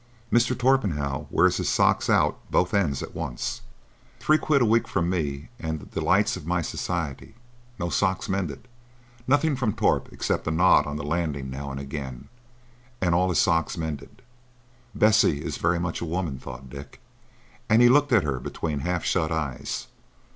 Mr. Torpenhow wears his socks out both ends at once." "Three quid a week from me, and the delights of my society. No socks mended. Nothing from Torp except a nod on the landing now and again, and all his socks mended. Bessie is very much a woman," thought Dick; and he looked at her between half shut eyes.